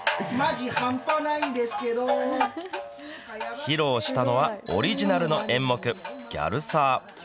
披露したのはオリジナルの演目、ギャルサー。